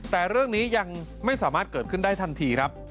แต่เรื่องนี้ยังไม่สามารถเกิดขึ้นได้ทันทีครับ